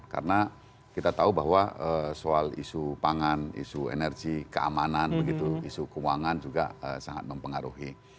karena kita tahu bahwa soal isu pangan isu energi keamanan isu keuangan juga sangat mempengaruhi